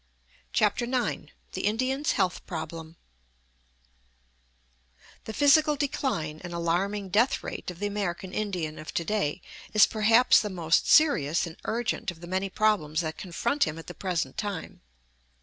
_ CHAPTER IX THE INDIAN'S HEALTH PROBLEM The physical decline and alarming death rate of the American Indian of to day is perhaps the most serious and urgent of the many problems that confront him at the present time.